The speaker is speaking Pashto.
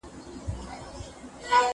زه کولای سم ليکنه وکړم؟!